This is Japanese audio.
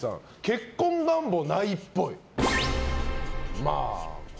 結婚願望ないっぽい。